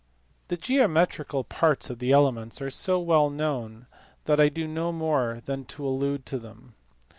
The geometrical* parts of the Elements are so well known that I need do no more than allude to them.